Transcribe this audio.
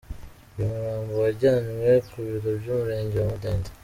Uyu murambo wajyanywe ku biro by’ umurenge wa Mudende.